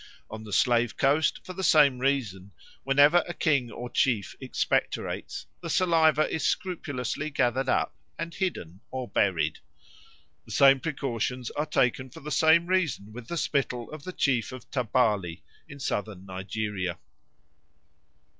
On the Slave Coast, for the same reason, whenever a king or chief expectorates, the saliva is scrupulously gathered up and hidden or buried. The same precautions are taken for the same reason with the spittle of the chief of Tabali in Southern Nigeria.